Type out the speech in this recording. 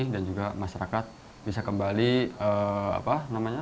dan juga masyarakat bisa kembali apa namanya